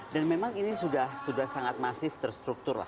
dan memang ini sudah sangat masif terstruktur lah